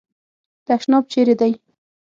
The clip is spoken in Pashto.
تشناب چیري دی ؟